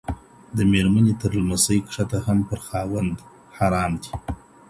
د ميرمني تر لمسۍ کښته هم پر خاوند حرام دي.